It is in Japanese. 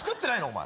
お前。